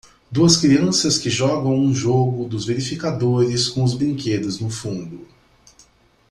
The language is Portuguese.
Duas crianças que jogam um jogo dos verificadores com os brinquedos no fundo.